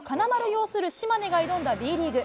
ようする島根が挑んだＢリーグ。